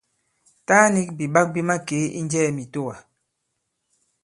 Taa nik bìɓak bi makee i njɛɛ mitowa.